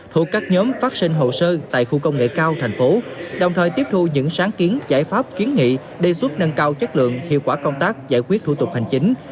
thuộc các nhóm phát sinh hồ sơ tại khu công nghệ cao thành phố đồng thời tiếp thu những sáng kiến giải pháp kiến nghị đề xuất nâng cao chất lượng hiệu quả công tác giải quyết thủ tục hành chính